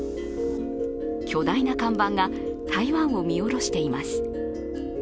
巨大な看板が台湾を見下ろしています。